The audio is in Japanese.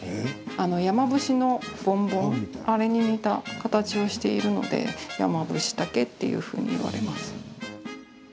山伏のボンボン、あれに似た形をしているので、ヤマブシタケっていうふうに言われます。